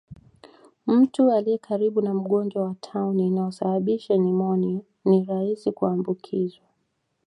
Mtu aliyekaribu na mgonjwa wa tauni inayosababisha nyumonia ni rahisi kuambukizwa